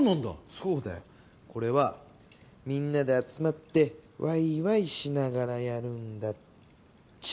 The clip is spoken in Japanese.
そうだよこれはみんなで集まってワイワイしながらやるんだっちゃ。